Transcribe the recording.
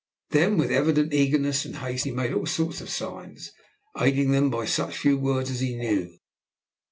Then with evident eagerness and haste he made all sorts of signs, aiding them by such few words as he knew.